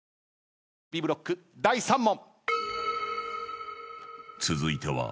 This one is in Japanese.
Ｂブロック第３問。